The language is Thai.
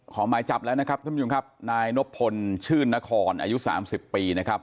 หมายจับแล้วนะครับท่านผู้ชมครับนายนบพลชื่นนครอายุสามสิบปีนะครับ